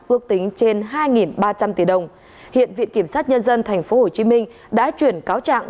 ước tính trên hai ba trăm linh tỷ đồng hiện viện kiểm sát nhân dân tp hcm đã chuyển cáo trạng